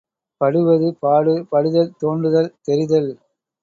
படுவது பாடு, படுதல் தோன்றுதல் – தெரிதல்.